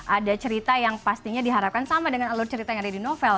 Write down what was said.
ada cerita yang pastinya diharapkan sama dengan alur cerita yang ada di novel